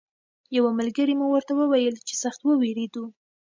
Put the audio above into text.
یوه ملګري مو ورته ویل چې سخت ووېرېدو.